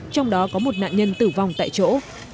trong đó có một nạn nhân tử vong tại chỗ